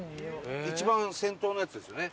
一番先頭のやつですよね。